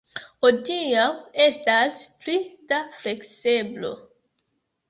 Hodiaŭ estas pli da flekseblo.